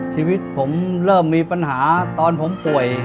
ชีวิตผมเริ่มมีปัญหาตอนผมป่วย